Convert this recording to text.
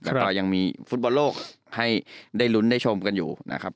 แล้วก็ยังมีฟุตบอลโลกให้ได้ลุ้นได้ชมกันอยู่นะครับ